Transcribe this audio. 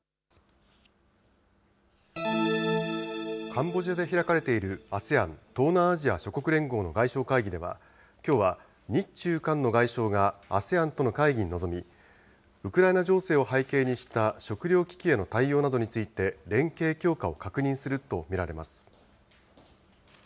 カンボジアで開かれているＡＳＥＡＮ・東南アジア諸国連合の外相会議では、きょうは日中韓の外相がＡＳＥＡＮとの会議に臨み、ウクライナ情勢を背景にした食料危機への対応などについて、連携強化を確認すると見られます。